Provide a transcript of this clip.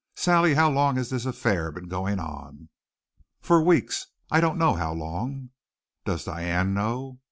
Sally, how long has this affair been going on?" "For weeks I don't know how long." "Does Diane know?"